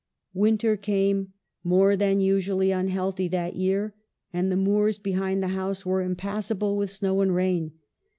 Winter came, more than usually unhealthy that year, and the moors behind the house were impassable with snow and rain.